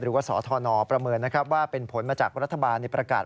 สธนประเมินนะครับว่าเป็นผลมาจากรัฐบาลในประกาศ